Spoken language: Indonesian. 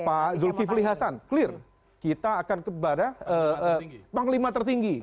pak yuki flihasan clear kita akan kepada panglima tertinggi